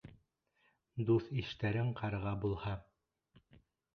Дуҫ-иштәрең ҡарға булһа